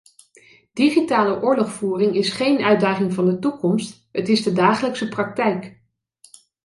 Digitale oorlogvoering is geen uitdaging van de toekomst: het is de dagelijkse praktijk.